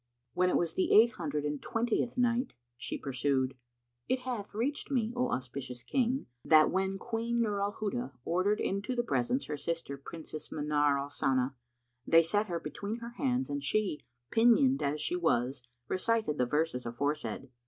When it was the Eight Hundred and Twentieth Night, She pursued, It hath reached me, O auspicious King, that when Queen Nur al Huda ordered into the presence her sister Princess Manar al Sana, they set her between her hands and she, pinioned as she was recited the verses aforesaid.